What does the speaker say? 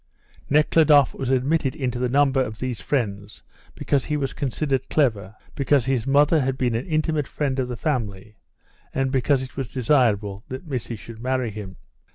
Nekhludoff was admitted into the number of these friends because he was considered clever, because his mother had been an intimate friend of the family, and because it was desirable that Missy should marry him.